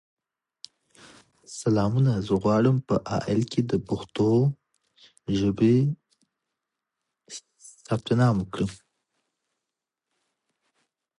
استاد په ټولنه کي د افراطي او تفریطي فکرونو د مخنیوي مخکښ دی.